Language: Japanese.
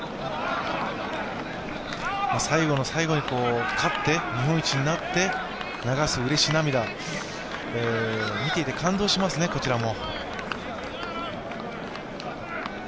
最後の最後に勝って日本一になって流す嬉し涙、見ていて感動しますね、こちらも。